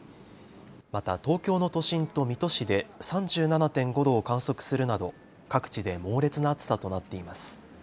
また東京の都心と水戸市で３７．５度を観測するなど各地で猛烈な暑さとなっています。